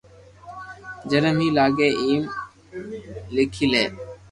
جيم سھي لاگي ايم ليکي لي